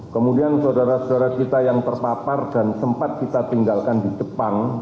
kemudian saudara saudara kita yang terpapar dan sempat kita tinggalkan di jepang